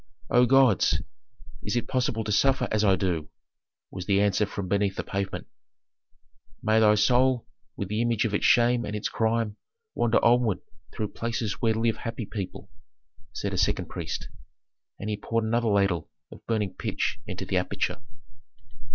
"O gods! is it possible to suffer as I do?" was the answer from beneath the pavement. "May thy soul, with the image of its shame and its crime, wander onward through places where live happy people," said a second priest; and he poured another ladle of burning pitch into the aperture.